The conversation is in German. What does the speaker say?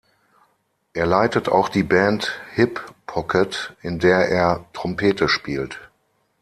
Er leitet auch die Band "Hip Pocket", in der er Trompete spielt.